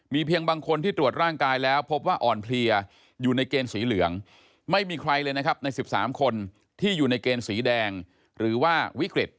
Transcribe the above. เพียงบางคนที่ตรวจร่างกายแล้วพบว่าอ่อนเพลียอยู่ในเกณฑ์สีเหลืองไม่มีใครเลยนะครับใน๑๓คนที่อยู่ในเกณฑ์สีแดงหรือว่าวิกฤต